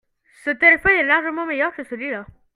Ce téléphone est largement meilleur que celui-là.